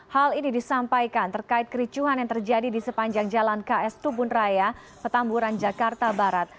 hal ini disampaikan terkait kericuhan yang terjadi di sepanjang jalan ks tubun raya petamburan jakarta barat